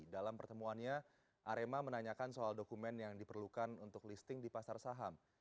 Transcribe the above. dalam pertemuannya arema menanyakan soal dokumen yang diperlukan untuk listing di pasar saham